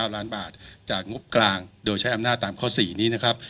๙ล้านบาทจากงบกลางโดยใช้อำนาจตามข้อ๔นี้นะครับ